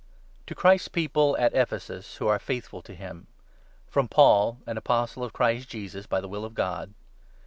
To Christ's People [AT EPHESUS] who are faith i ful to him, FROM Paul, an Apostle of Christ Jesus, by the will of God.